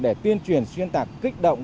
để tuyên truyền xuyên tạc kích động